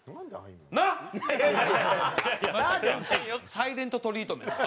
サイレント・トリートメントか？